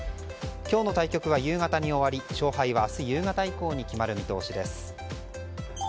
今日の対局は夕方に終わり勝敗は明日以降に決まる見通しです。